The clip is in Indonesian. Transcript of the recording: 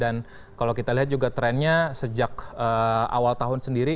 dan kalau kita lihat juga trendnya sejak awal tahun sendiri